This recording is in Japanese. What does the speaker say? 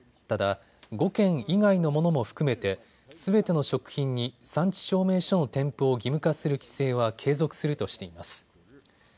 ただ５県以外のものも含めてすべての食品に産地証明書の添付を義務化する規制は継続するとしています。